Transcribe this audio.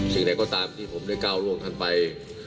สิ่งใดก็ตามที่ผมได้ก้าวร่วงท่านไป